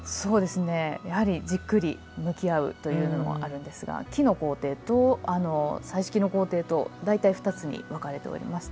やはり、じっくり向き合うというのもあるんですが木の工程と彩色の工程と大体２つに分かれております。